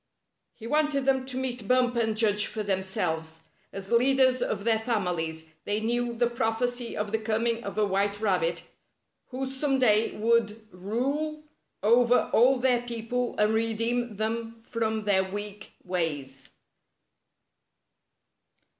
He wanted them to meet Bumper and judge for themselves. As leaders of their families, they knew the prophecy of the coming of a white rabbit, who some day would rule over all their people and redeem them from their weak ways.